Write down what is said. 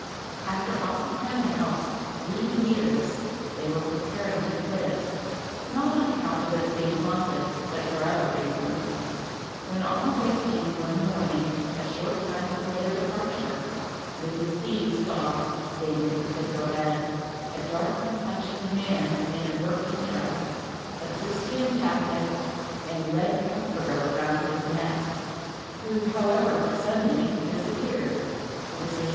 After occupying the house three years, they were preparing to quit it—not on account of its being haunted, but for other reasons—when on awaking one morning, a short time before their departure, Mrs. C—— saw, standing at the foot of her bed, a dark complexioned man, in a working dress, a fustian jacket, and red comforter round his neck—who, however, suddenly disappeared. Mr.